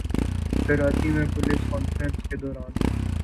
کراچی میں press conference کے دوران